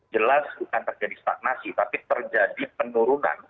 jelas bukan terjadi stagnasi tapi terjadi penurunan